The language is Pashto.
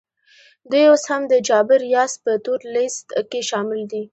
دوی اوس هم د جابر ریاست په تور لیست کي شامل دي